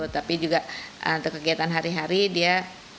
tapi juga untuk kegiatan hari hari dia